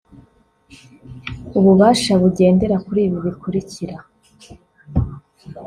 ububasha bugendera kuri ibi bikurikira